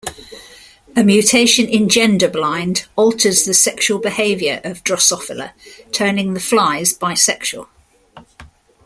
A mutation in Genderblind alters the sexual behavior of "Drosophila", turning the flies bisexual.